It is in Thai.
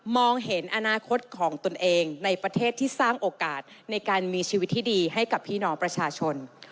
เห็นอนาคตของตนเองในประเทศที่สร้างโอกาสในการมีชีวิตที่ดีให้กับพี่น้องประชาชน